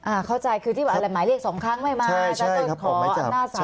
อ่าเข้าใจคือที่ว่าอะไรหมายเรียกสองครั้งไม่มาใช่ออกหมายจับ